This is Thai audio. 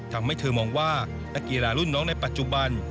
ทำให้เธอมองว่านักกีฬารุ่นน้องในปัจจุบัน